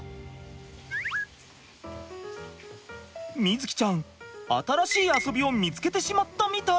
瑞己ちゃん新しい遊びを見つけてしまったみたい。